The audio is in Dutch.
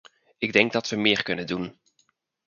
Ik denk dat we meer kunnen doen.